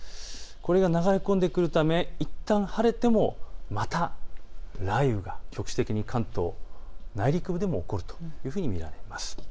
これが流れ込んでくるためいったん晴れてもまた雷雨が局地的に関東内陸部でも起こるというふうに見られます。